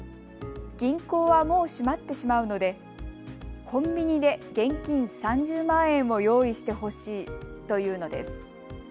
銀行はもう閉まってしまうのでコンビニで現金３０万円を用意してほしいと言うのです。